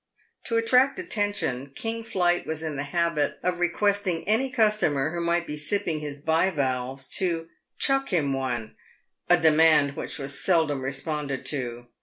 To attract attention, King Flight was in the habit of requesting any customer who might be sipping his bivalves to " chuck him one," — a demand which was seldom responded to.